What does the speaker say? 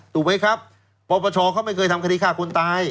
ถูกไหมครับปปชเขาไม่เคยทำคดีฆ่าคนตาย